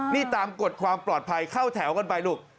นี่ตามกฎความปลอดภัยเข้าแถวกันไปลูก